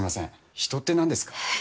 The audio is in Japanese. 人って何ですか？